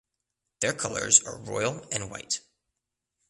Their colors are royal and white.